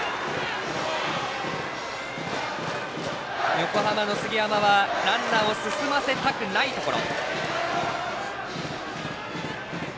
横浜の杉山はランナーを進ませたくないところ。